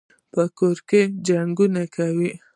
په کور کي جنګونه کوي.